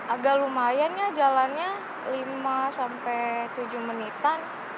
agak lumayan ya jalannya lima sampai tujuh menitan